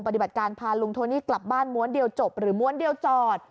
ปฏิบัติการพาลุงโทนี่กลับบ้านม้วนเดียวจบหรือม้วนเดียวจอด